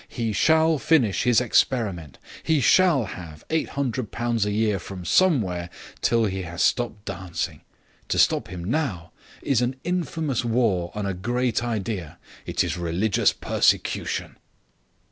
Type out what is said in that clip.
He shall finish his experiment. He shall have £800 a year from somewhere till he has stopped dancing. To stop him now is an infamous war on a great idea. It is religious persecution."